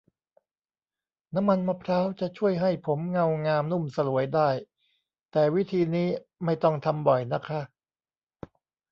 น้ำมันมะพร้าวจะช่วยให้ผมเงางามนุ่มสลวยได้ แต่วิธีนี้ไม่ต้องทำบ่อยนะคะ